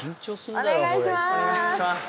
お願いします